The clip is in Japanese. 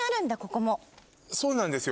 そうなんですよ